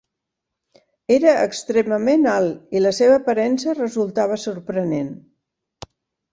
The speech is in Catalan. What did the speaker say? Era extremament alt i la seva aparença resultava sorprenent.